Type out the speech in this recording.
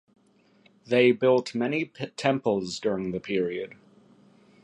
They built many temples during the period.